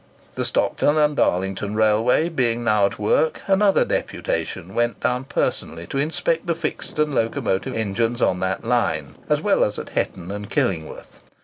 The Stockton and Darlington Railway being now at work, another deputation went down personally to inspect the fixed and locomotive engines on that line, as well as at Hetton and Killingworth.